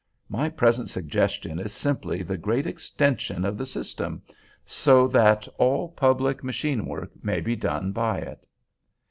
My present suggestion is simply the great extension of the system, so that all public machine work may be done by it.